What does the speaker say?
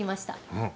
うん。